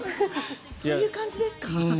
そういう感じですか？